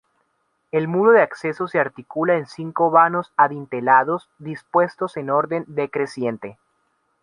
El muro de acceso se articula en cinco vanos adintelados dispuestos en orden decreciente.